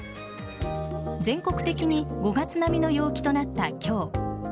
全国的に５月並みの陽気となった今日。